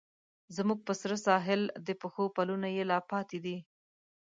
زموږ په سره ساحل، د پښو پلونه یې لا پاتې دي